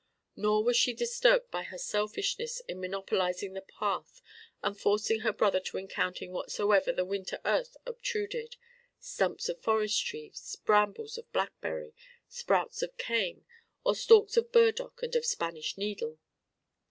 Nor was she disturbed by her selfishness in monopolizing the path and forcing her brother to encounter whatsoever the winter earth obtruded stumps of forest trees, brambles of blackberry, sprouts of cane, or stalks of burdock and of Spanish needle.